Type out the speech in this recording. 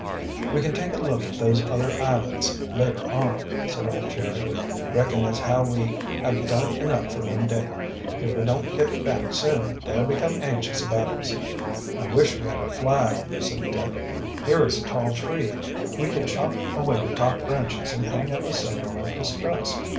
"We can take a look at those other islands later on," said old Jerry. "Reckon as how we have done enough for one day. If we don't git back soon, they'll become anxious about us." "I wish we had a flag," said Dick. "Here is a tall tree. We could chop away the top branches and hang up a signal of distress.